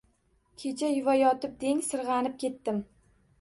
Kecha yuvayotib deng, sirg‘anib ketdim.